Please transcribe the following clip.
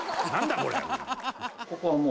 これはもう」